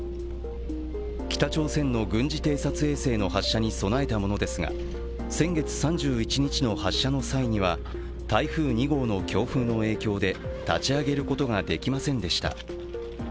北朝鮮の軍事偵察衛星の発射に備えたものですが先月３１日の発射の際には台風２号の強風の影響で、立ち上げることができませんでした。